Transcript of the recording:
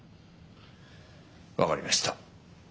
分かりました。